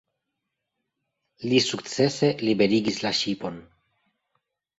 Li sukcese liberigis la ŝipon.